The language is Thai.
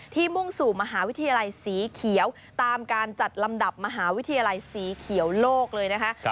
มุ่งสู่มหาวิทยาลัยสีเขียวตามการจัดลำดับมหาวิทยาลัยสีเขียวโลกเลยนะคะ